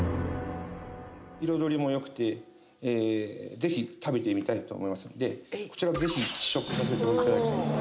彩りもよくて是非食べてみたいと思いますんでこちら是非試食させていただきたいです